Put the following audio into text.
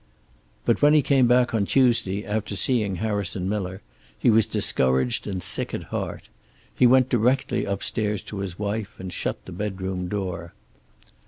But when he came back on Tuesday, after seeing Harrison Miller, he was discouraged and sick at heart. He went directly upstairs to his wife, and shut the bedroom door.